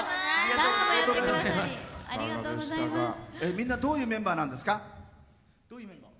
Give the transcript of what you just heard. みんな、どういうメンバーなんですか？